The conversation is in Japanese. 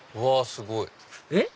すごい！えっ？